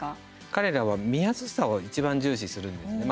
彼らは見やすさをいちばん重視するんですね。